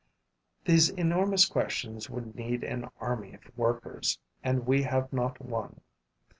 These enormous questions would need an army of workers; and we have not one.